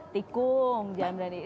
tikung jangan berani